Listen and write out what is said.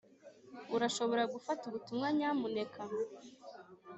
urashobora gufata ubutumwa nyamuneka?